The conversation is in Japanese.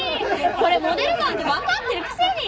これモデルガンってわかってるくせに。